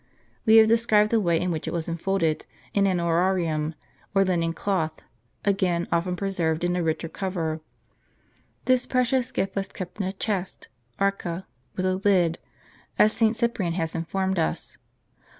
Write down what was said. We have described the way in which it was enfolded in an orarium, or linen cloth, again often preserved in a richer cover. This precious gift was kept in a chest [area) with a lid, as St. Cyprian has informed us.